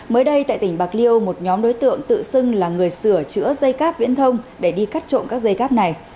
mới đây tại tỉnh bạc liêu một nhóm đối tượng tự xưng là người sửa chữa dây cáp viễn thông để đi cắt trộm các dây cáp này